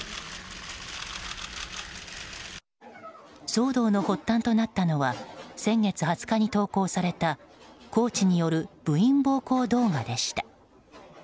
騒動の発端となったのは先月２０日に投稿されたコーチによる部員暴行動画でした。